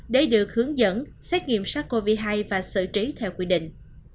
để được hướng dẫn xét nghiệm sát covid một mươi chín và xử trí theo quy định